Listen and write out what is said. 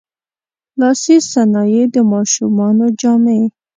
لاسي صنایع، د ماشومانو جامې.